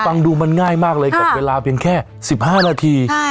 ฟังดูมันง่ายมากเลยกับเวลาเพียงแค่๑๕นาที